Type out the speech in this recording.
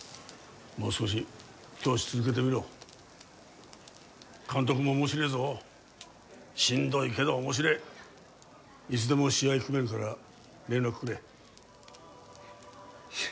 もう少し教師続けてみろ監督もおもしれえぞしんどいけどおもしれえいつでも試合組めるから連絡くれいや